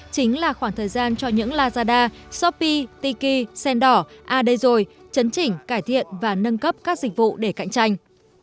chính là khoảng thời gian cho những lazada shopee tiki sendor adesoy chấn chỉnh cải thiện và nâng cấp các dịch vụ để cạnh tranh